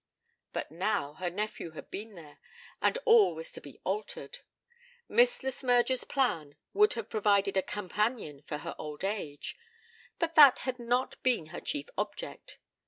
But now her nephew had been there, and all was to be altered. Miss Le Smyrger's plan would have provided a companion for her old age; but that had not been her chief object.